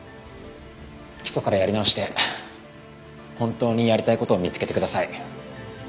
基礎からやり直して本当にやりたい事を見つけてください。